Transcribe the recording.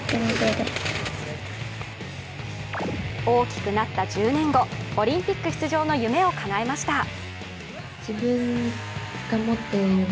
大きくなった１０年後、オリンピック出場の夢を叶えました。